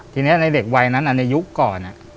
ทีนี้ในเด็กวัยนั้นในยุคก่อน